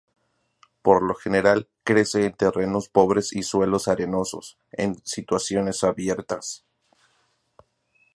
Por lo general crece en terrenos pobres o suelos arenosos, en situaciones abiertas.